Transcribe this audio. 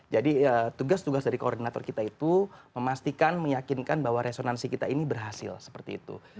jadi tugas tugas dari koordinator kita itu memastikan meyakinkan bahwa resonansi kita ini berhasil seperti itu